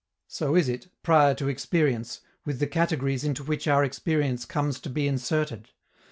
So is it, prior to experience, with the categories into which our experience comes to be inserted.